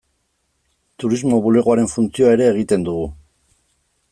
Turismo bulegoaren funtzioa ere egiten dugu.